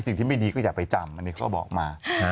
สิ่งที่ไม่ดีก็อย่าไปจำอันนี้เขาบอกมา